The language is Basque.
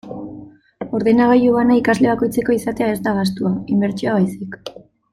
Ordenagailu bana ikasle bakoitzeko izatea ez da gastua, inbertsioa baizik.